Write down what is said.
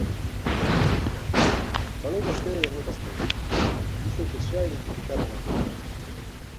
Miren, falou vostede de moitas cousas, dixo que xa identificaron o animal.